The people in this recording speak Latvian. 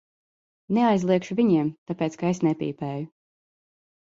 Neaizliegšu viņiem, tāpēc ka es nepīpēju.